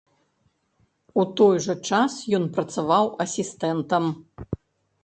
У той жа час ён працаваў асістэнтам.